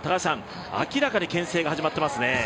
明らかに、けん制が始まっていますね。